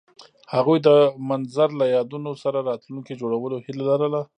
هغوی د منظر له یادونو سره راتلونکی جوړولو هیله لرله.